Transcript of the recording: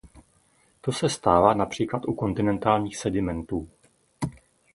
To se stává například u kontinentálních sedimentů.